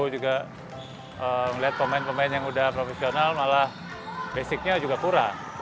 juga melihat pemain pemain yang udah profesional malah basicnya juga kurang